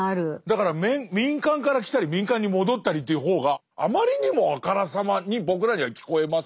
だから民間から来たり民間に戻ったりという方があまりにもあからさまに僕らには聞こえますよね。